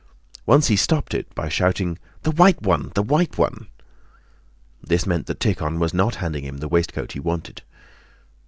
Once he stopped it by shouting: "The white one, the white one!" This meant that Tíkhon was not handing him the waistcoat he wanted.